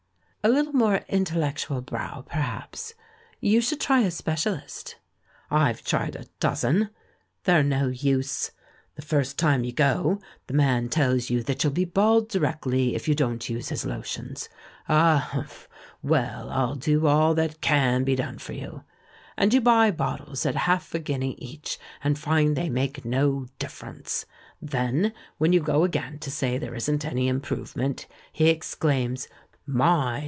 "A little more intellectual brow, perhaps ! You should try a specialist." "I've tried a dozen. They're no use. The first time you go, the man tells you that you'll be bald directly if you don't use his lotions. 'Ah, humph! Well, I'll do all that ca7i be done for you.' And you buy bottles at half a guinea each, and find they make no difference. Then, when you go again to say there isn't any improvement, he exclaims, 'My!